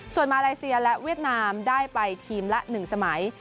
ส่วนมาเลเซียและเวียดนามได้ไปทีมละ๑สมัย